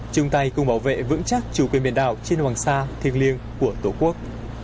chúng ta cùng bảo vệ vững chắc chủ quyền biển đảo trên hoàng sa thiên liêng của tổ quốc